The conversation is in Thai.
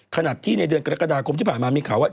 ขณะที่ในเดือนกรกฎาคมที่ผ่านมามีข่าวว่า